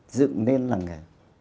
dựng nên là nghề